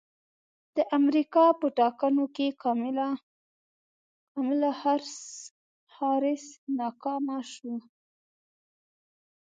د امریکا په ټاکنو کې کاملا حارس ناکامه شوه